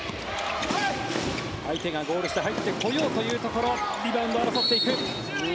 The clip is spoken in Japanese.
相手がゴール下入ってこようかというところリバウンド争っていく。